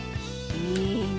いいね。